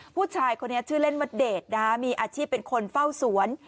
ผู้ชายคนนี้ชื่อเล่นมะเดชนะมีอาชีพเป็นคนเฝ้าสวน